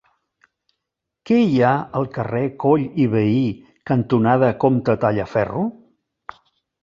Què hi ha al carrer Coll i Vehí cantonada Comte Tallaferro?